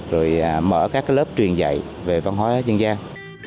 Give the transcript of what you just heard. rồi mở các lớp truyền dạy về văn hóa dân gian